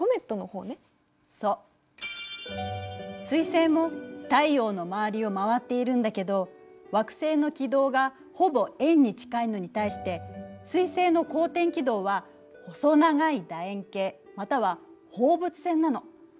彗星も太陽の周りを回っているんだけど惑星の軌道がほぼ円に近いのに対して彗星の公転軌道は細長いだ円形または放物線なの。